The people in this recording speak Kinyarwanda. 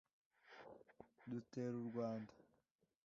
dutera U Rwanda